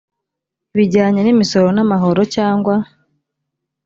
bijyanye n imisoro n amahoro cyangwa